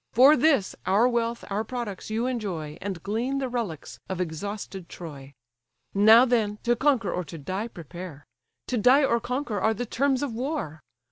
For this, our wealth, our products, you enjoy, And glean the relics of exhausted Troy. Now then, to conquer or to die prepare; To die or conquer are the terms of war.